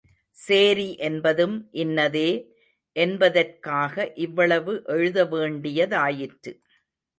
சேரி என்பதும் இன்னதே என்பதற்காக இவ்வளவு எழுத வேண்டியதாயிற்று.